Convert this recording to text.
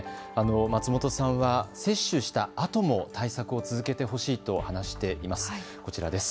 松本さんは接種したあとも対策を続けてほしいと話しています。